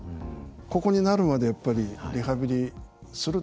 ここになるまでやっぱりリハビリするでしょ。